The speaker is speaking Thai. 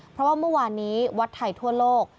เพราะว่าเมื่อวานนี้วัดไทยทั่วโลก